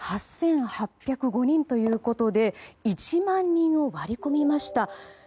８８０５人ということで１万人を割り込みました。